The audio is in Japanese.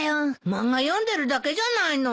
漫画読んでるだけじゃないの。